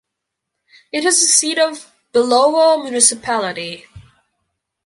It is the seat of Belovo Municipality.